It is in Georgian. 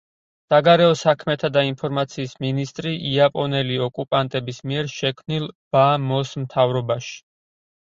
საგარეო საქმეთა და ინფორმაციის მინისტრი იაპონელი ოკუპანტების მიერ შექმნილ ბა მოს მთავრობაში.